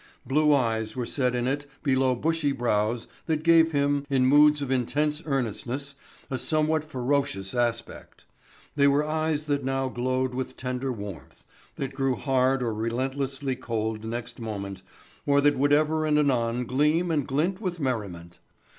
Blue eyes were set in it below bushy brows that gave him, in moods of intense earnestness, a somewhat ferocious aspect. They were eyes that now glowed with tender warmth, that grew hard or relentlessly cold next moment or that would ever and anon gleam and glint with merriment.